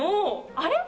あれ？